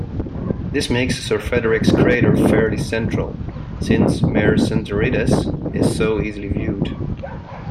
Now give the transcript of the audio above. This makes Sir Frederick's crater fairly central, since Mare Serenitatis is so easily viewed.